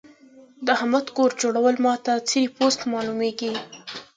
د احمد کور جوړول ما ته څيرې پوست مالومېږي.